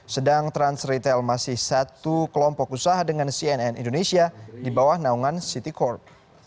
sedang transretail masih satu kelompok usaha dengan cnn indonesia di bawah naungan citicorp